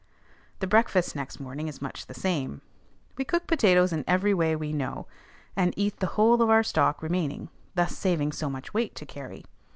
The breakfast next morning is much the same. We cook potatoes in every way we know, and eat the whole of our stock remaining, thus saving so much weight to carry.